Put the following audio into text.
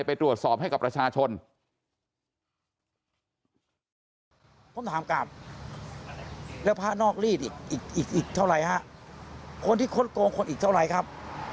อะไรครับผมถามกลับแล้วใครจะทำครับ